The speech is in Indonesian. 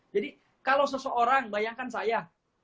jadi kalau seseorang bayangkan saya